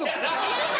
やった！